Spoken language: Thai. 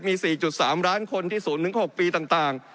มี๔๓ล้านคนที่๐๖ปีต่าง